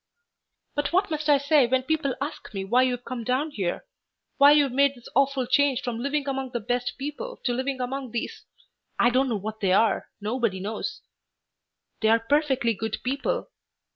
"But what must I say when people ask me why you've come down here? why you've made this awful change from living among the best people to living among these I don't know what they are. Nobody knows." "They are perfectly good people."